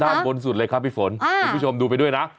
ด้านบนสุดเลยครับพี่ฝนคุณผู้ชมดูไปด้วยนะ